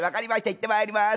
行ってまいります。